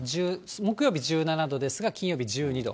木曜日１７度ですが、金曜日１２度。